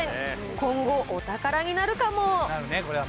今後、お宝になるかも？